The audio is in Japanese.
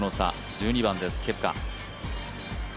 １２番です、ケプカ。